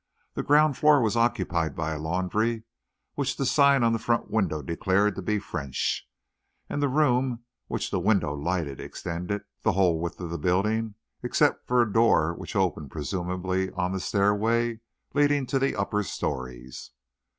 The ground floor was occupied by a laundry which the sign on the front window declared to be French; and the room which the window lighted extended the whole width of the building except for a door which opened presumably on the stairway leading to the upper stories.